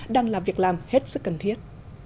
đang là việc làm hết sức cần thiết